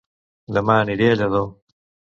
Dema aniré a Lladó